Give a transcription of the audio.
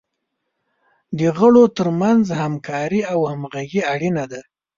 د غړو تر منځ همکاري او همغږي اړین دی.